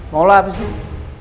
mau lah apa sih